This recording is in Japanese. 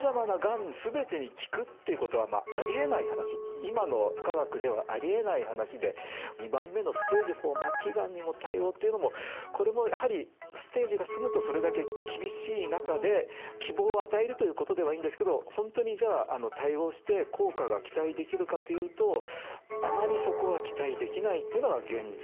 今の科学ではありえない話で２番目の「ステージ４・末期がんにも対応」っていうのもこれもやはりステージが進むとそれだけ厳しい中で希望を与えるということではいいんですけど本当にじゃあ対応して効果が期待できるかというとあまりそこは期待できないというのが現実ですね。